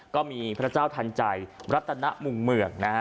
ก็มีพระเจ้าทันใจรัตนมุงเมืองนะฮะ